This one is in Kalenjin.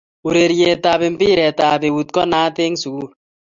Urerietab mpiretab euut ko naat eng sukul